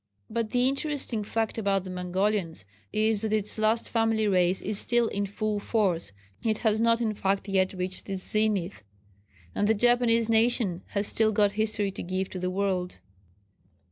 But the interesting fact about the Mongolians is that its last family race is still in full force it has not in fact yet reached its zenith and the Japanese nation has still got history to give to the world.